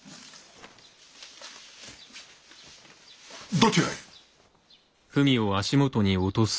どちらへ？